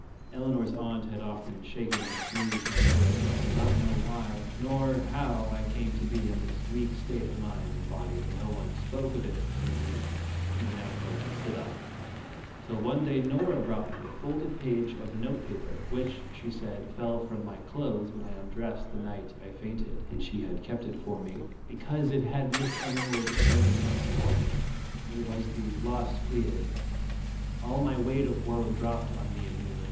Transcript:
Elinor's aunt had often shaken and smoothed my pillow, but I did not know why nor how I came to be in this weak state of mind and body, and no one spoke of it to me even after I could sit up, till one day Nora brought me a folded page of note paper, which, she said, fell from my clothes when I was undressed the night I fainted, and she had kept it for me, " because it had Miss Elinor's writing on it." It was "The Lost Pleiad." All my weight of woe dropped on me anew.